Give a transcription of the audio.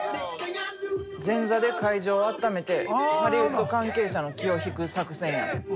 前座で会場をあっためてハリウッド関係者の気を引く作戦や。